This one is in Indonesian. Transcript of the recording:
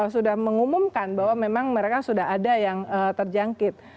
sudah mengumumkan bahwa memang mereka sudah ada yang terjangkit